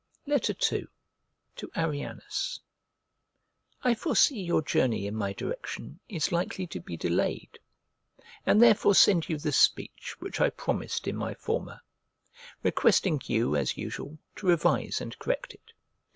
II To ARRIANUS I FORESEE your journey in my direction is likely to be delayed, and therefore send you the speech which I promised in my former; requesting you, as usual, to revise and correct it.